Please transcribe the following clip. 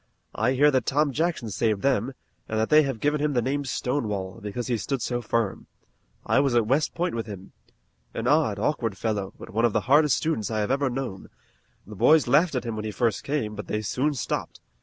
I hear that Tom Jackson saved them, and that they have given him the name Stonewall, because he stood so firm. I was at West Point with him. An odd, awkward fellow, but one of the hardest students I have ever known. The boys laughed at him when he first came, but they soon stopped.